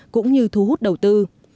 cũng như thu hút đầu tư